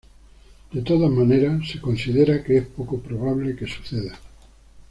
De todas maneras, se considera que es poco probable que suceda.